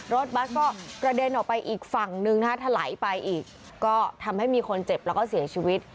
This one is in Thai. รถบัสก็กระเด็นออกไปอีกฝั่งนึงนะฮะถลายไปอีกก็ทำให้มีคนเจ็บแล้วก็เสียชีวิต